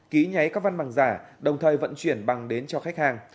ký nháy các văn bằng giả đồng thời vận chuyển bằng đến cho khách hàng